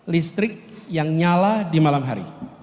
listrik yang nyala di malam hari